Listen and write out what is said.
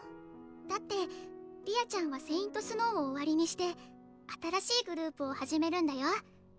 だって理亞ちゃんはＳａｉｎｔＳｎｏｗを終わりにして新しいグループを始めるんだよ？